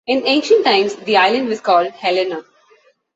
In ancient times the island was called Helena.